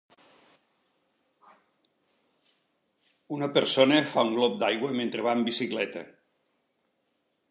Una persona fa un glop d'aigua mentre va en bicicleta.